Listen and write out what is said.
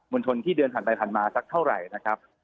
ลชนที่เดินผ่านไปผ่านมาสักเท่าไหร่นะครับ